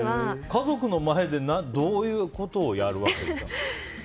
家族の前でどういうことをやるわけ？